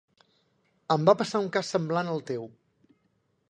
Em va passar un cas semblant al teu.